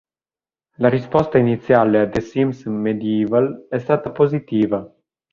La risposta iniziale a "The Sims Medieval" è stata positiva.